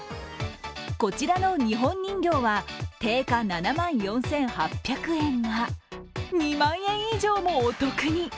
こちらの日本人形は定価７万４８００円が２万円以上もお得に！